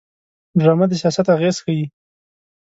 ډرامه د سیاست اغېز ښيي